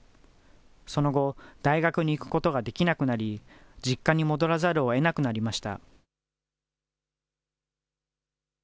その後、大学に行くことができなくなり、実家に戻らざるをえなくなりました。